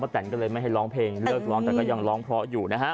เริ่มร้องแต่ก็ยังร้องเพราะอยู่นะฮะ